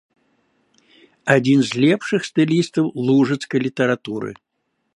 Адзін з лепшых стылістаў лужыцкай літаратуры.